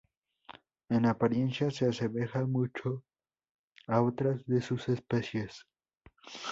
En apariencia, se asemeja mucho a otras de sus especies.